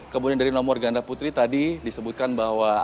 kemudian dari nomor ganda putri tadi disebutkan bahwa